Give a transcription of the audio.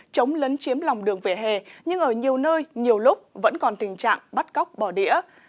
chống lấn chiếm lòng đường vỉa hè nhưng ở nhiều nơi nhiều lúc vẫn còn tình trạng bắt cóc bỏ đĩa